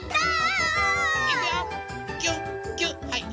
はい！